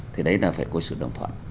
thì đấy là phải có sự đồng thuận